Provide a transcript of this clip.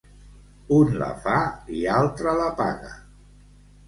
Un la fa i altre la paga.